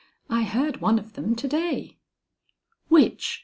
I heard one of them to day." "Which?"